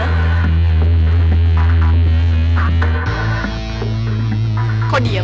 apa kalian cuma berani tawuran di jalanan